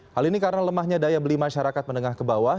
hal ini karena lemahnya daya beli masyarakat menengah ke bawah